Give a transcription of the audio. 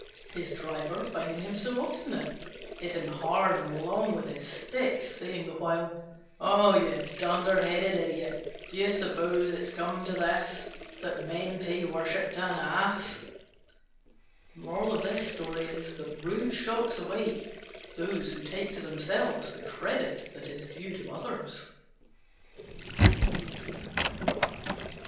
His driver, finding him so obstinate, hit him hard and long with his stick, saying the while, "Oh, you dunder headed idiot, do you suppose it's come to this, that men pay worship to an Ass?" Rude shocks await those who take to themselves the credit that is due to others.